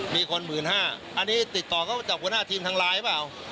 มีคนหมื่นห้าอันนี้ติดต่อก็จากหัวหน้าทีมทางลายหรือเปล่า